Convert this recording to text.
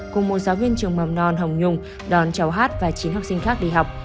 cùng một giáo viên trường mầm non hồng nhung đón cháu hát và chín học sinh khác đi học